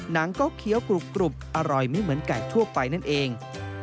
หนังก็เคี้ยวกรุบอร่อยไม่เหมือนไก่ทั่วไปนั่นเอง